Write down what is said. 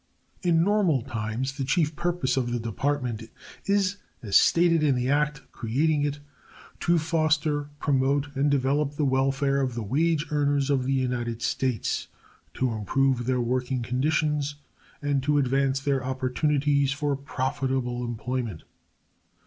In normal times the chief purpose of the Department is, as stated in the Act creating it, "to foster, promote and develop the welfare of the wage earners of the United States, to improve their working conditions, and to advance their opportunities for profitable employment."